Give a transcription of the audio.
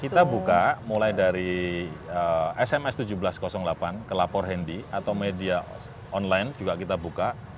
kita buka mulai dari sms seribu tujuh ratus delapan ke lapor handi atau media online juga kita buka